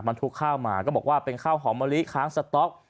ทุกข้าวมาก็บอกว่าเป็นข้าวหอมมะลิค้างสต๊อก